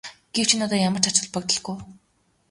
Гэвч энэ одоо ямар ч ач холбогдолгүй.